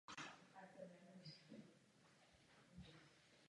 Ve městě se každoročně koná velký karneval.